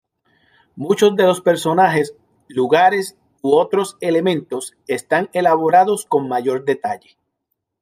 Muchos de los personajes, lugares, u otros elementos están elaborados con mayor detalle.